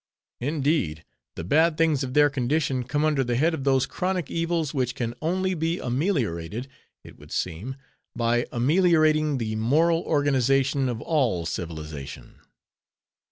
Indeed, the bad things of their condition come under the head of those chronic evils which can only be ameliorated, it would seem, by ameliorating the moral organization of all civilization.